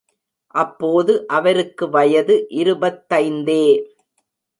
அப்போது அவருக்கு வயது இருபத்தைந்தே.